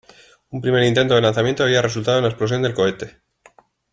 Un primer intento de lanzamiento había resultado en la explosión del cohete.